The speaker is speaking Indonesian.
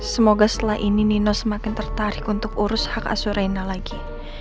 semoga setelah ini nino semakin tertarik untuk urus hak azurena lagi